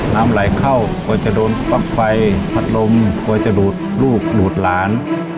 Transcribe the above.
น้ำไหลเข้ากว่าจะโดนปั๊กไฟผัดลมกว่าจะหลุดลูกหลุดหลาน